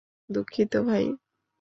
দুঃখিত, ভাই।